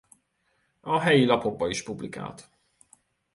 A helyi lapokba is publikált.